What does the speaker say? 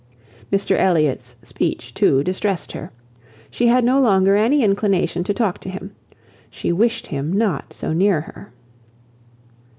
Mr Elliot's speech, too, distressed her. She had no longer any inclination to talk to him. She wished him not so near her.